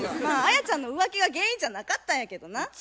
まあアヤちゃんの浮気が原因じゃなかったんやけどな。